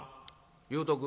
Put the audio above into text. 言うとく。